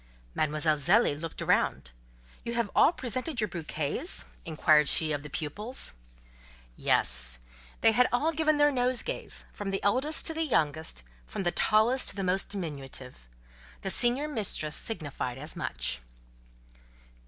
Mademoiselle Zélie looked round. "You have all presented your bouquets?" inquired she of the pupils. Yes; they had all given their nosegays, from the eldest to the youngest, from the tallest to the most diminutive. The senior mistress signified as much.